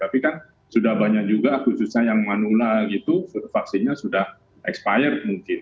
tapi kan sudah banyak juga khususnya yang manula gitu vaksinnya sudah expired mungkin